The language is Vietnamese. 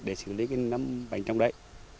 để xử lý cái nấm bành trong đấy